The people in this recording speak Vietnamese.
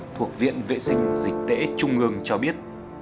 thuộc viện vệ sinh dịch tễ trung ương cho biết